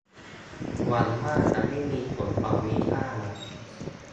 หวังว่าจะไม่มีผลต่อวีซ่านะ